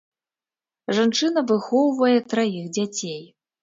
Жанчына выхоўвае траіх дзяцей.